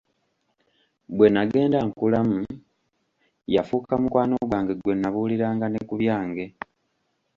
Bwe nnagenda nkulamu yafuuka mukwano gwange gwe nabuuliranga ne ku byange.